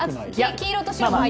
黄色と白も。